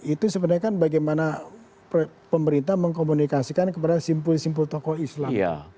itu sebenarnya kan bagaimana pemerintah mengkomunikasikan kepada simpul simpul tokoh islam